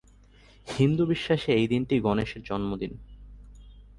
হিন্দু বিশ্বাসে এই দিনটি গণেশের জন্মদিন।